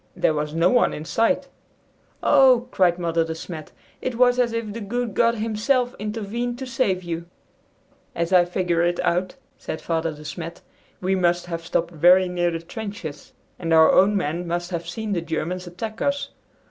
There was no one in sight." "Oh," cried Mother De Smet, "it was as if the good God himself intervened to save you!" "As I figure it out," said Father De Smet, "we must have stopped very near the trenches, and our own men must have seen the Germans attack us.